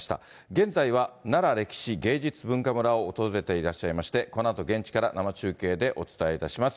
現在はなら歴史芸術文化を訪れていらっしゃいまして、このあと現地から生中継でお伝えいたします。